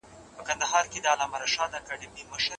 هغه وویل چې زه د انعام لپاره کار نه کوم.